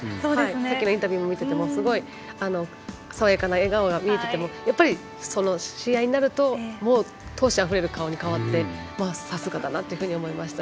さっきのインタビューを見ていても爽やかな笑顔が見えていてやっぱり、試合になると闘志あふれる顔に変わってさすがだなと思いました。